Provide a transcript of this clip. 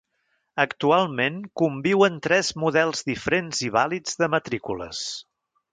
Actualment conviuen tres models diferents i vàlids de matrícules.